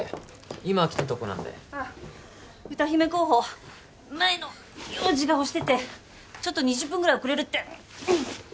今来たとこなんで歌姫候補前の用事が押しててちょっと２０分ぐらい遅れるってうんっ！